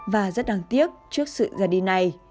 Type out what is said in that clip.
và rất đáng tiếc trước sự ra đi này